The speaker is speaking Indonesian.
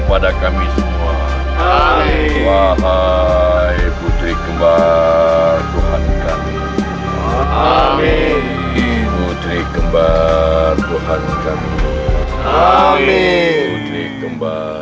kepada kami semua amin wahai putri kembal tuhan kami amin putri kembal tuhan kami amin